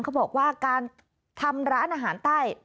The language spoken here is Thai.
เขาบอกว่าการทำร้านอาหารใต้